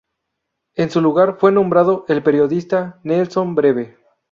En su lugar fue nombrado el periodista Nelson Breve.